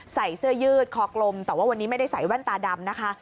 ใส่เสื้อยืดคอกลมแต่ว่าวันนี้ไม่ได้ใส่แว่นตาดำนะคะ